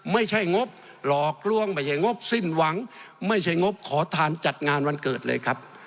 ไม่ใช่งบหลอกล่วงไม่ใช่งบสิ้นหวังไม่ใช่งบขอทานจัดงานวันเกิดเลยครับ